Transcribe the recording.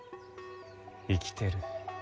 生きてる。